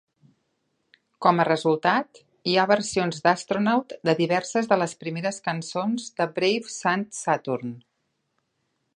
Com a resultat, hi ha versions d'Astronaut de diverses de les primeres cançons de Brave Sant Saturn.